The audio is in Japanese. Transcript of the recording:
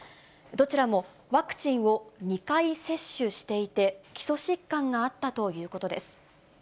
どちらもワクチンを２回接種していて、基礎疾患があったということです。